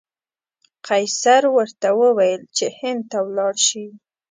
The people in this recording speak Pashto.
قیصر ورته وویل چې هند ته ولاړ شي.